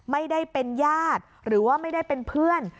ไม่ได้เป็นญาติหรือว่าไม่ได้เป็นเพื่อน